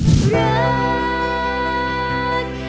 รัก